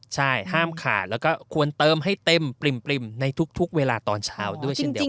ใช่ห้ามขาดแล้วก็ควรเติมให้เต็มปริ่มในทุกเวลาตอนเช้าด้วยเช่นเดียวกัน